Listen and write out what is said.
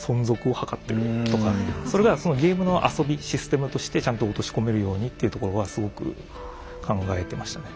それがそのゲームの遊びシステムとしてちゃんと落とし込めるようにっていうところはすごく考えてましたね。